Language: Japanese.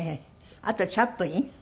あとチャップリン。